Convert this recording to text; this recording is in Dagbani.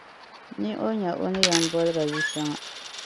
ni o nya o ni yɛn boli ba yu’ shɛŋa.